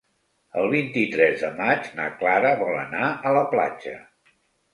El vint-i-tres de maig na Clara vol anar a la platja.